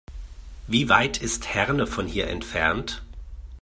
Wie weit ist Herne von hier entfernt?